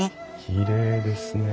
きれいですね。